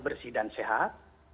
bersih dan sehat